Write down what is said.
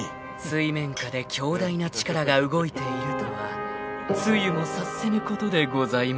［水面下で強大な力が動いているとは露も察せぬことでございましょう］